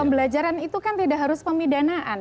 pembelajaran itu kan tidak harus pemidanaan